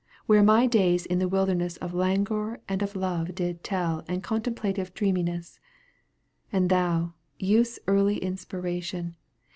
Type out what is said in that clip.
Where my days in the wilderness Of languor and of love did teU And coiaitemplative dreaminess ; And thou, youth's early inspiration.